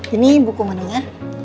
ini buku manunya